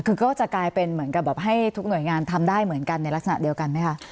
คือก็จะกลายเป็นเหมือนกับแบบให้ทุกหน่วยงานทำได้เหมือนกันในลักษณะเดียวกันไหมคะ